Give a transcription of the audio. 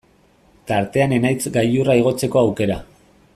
Tartean Enaitz gailurra igotzeko aukera.